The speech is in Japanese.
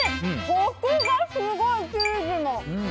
コクがすごい、チーズの。